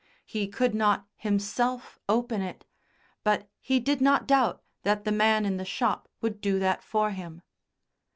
He could not himself open it, but he did not doubt that the man in the shop would do that for him.